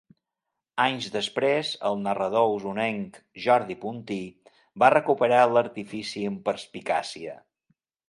Anys després, el narrador osonenc Jordi Puntí va recuperar l'artifici amb perspicàcia.